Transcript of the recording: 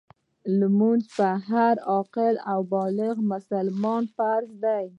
لمونځ په هر عاقل او بالغ مسلمان فرض دی .